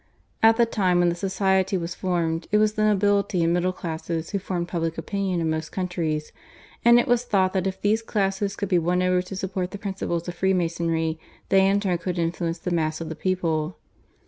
At the time when the society was formed it was the nobility and middle classes who formed public opinion in most countries, and it was thought that if these classes could be won over to support the principles of Freemasonry, they in turn could influence the mass of the people.